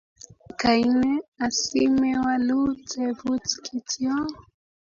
kaine asimewalu tebut kityo?